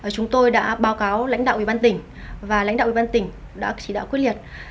chúng tôi đã báo cáo lãnh đạo ủy ban tỉnh và lãnh đạo ủy ban tỉnh đã chỉ đạo quyết liệt